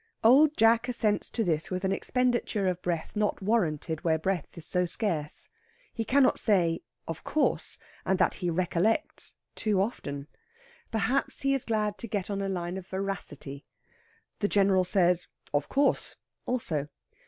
Old Jack assents to this with an expenditure of breath not warranted where breath is so scarce. He cannot say "of course," and that he recollects, too often. Perhaps he is glad to get on a line of veracity. The General says "of course," also.